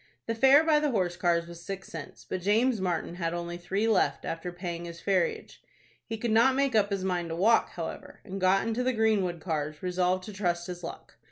The fare by the horse cars was six cents, but James Martin had only three left after paying his ferriage. He could not make up his mind to walk, however, and got into the Greenwood cars, resolved to trust his luck.